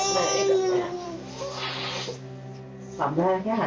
มันเห็นหน้าให้ดู